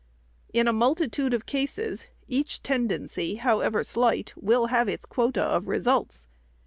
In a multitude of cases, each tendency, however slight, will have its quota of the results.